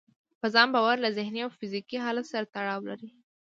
په ځان باور له ذهني او فزيکي حالت سره تړاو لري.